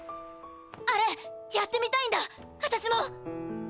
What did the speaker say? あれやってみたいんだあたしも！！